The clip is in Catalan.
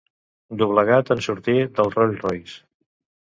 Doblegat en sortir del Rolls Royce.